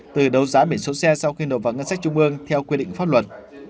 từ đấu giá biển số xe sau khi nộp vào ngân sách trung ương theo quy định pháp luật